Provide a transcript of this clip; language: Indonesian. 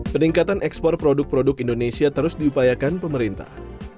peningkatan ekspor produk produk indonesia terus diupayakan pemerintah